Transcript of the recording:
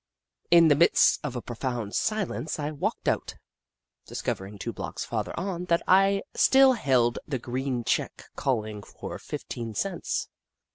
In the midst of a profound silence I walked out, discovering two blocks farther on that I still held the green check calling for fifteen cents.